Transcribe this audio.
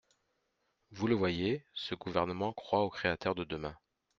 Vous le voyez, ce gouvernement croit aux créateurs de demain.